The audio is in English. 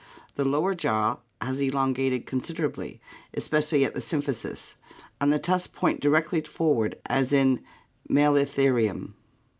The lower jaw has elongated considerably, especially at the symphysis, and the tusks point directly forward as in Mosritherium.